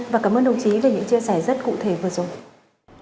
và cảm ơn đồng chí về những chia sẻ rất cụ thể vừa rồi